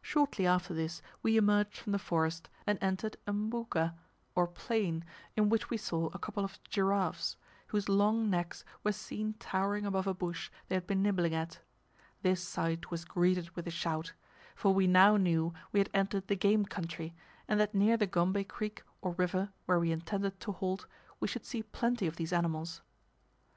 Shortly after this we emerged from the forest, and entered a mbuga, or plain, in which we saw a couple of giraffes, whose long necks were seen towering above a bush they had been nibbling at. This sight was greeted with a shout; for we now knew we had entered the game country, and that near the Gombe creek, or river, where we intended to halt, we should see plenty of these animals.